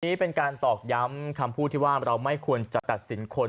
นี้เป็นการตอกย้ำคำพูดที่ว่าเราไม่ควรจะตัดสินคน